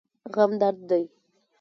غم درد دی.